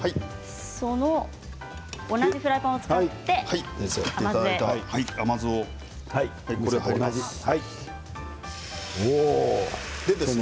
同じフライパンを使って甘酢ですね。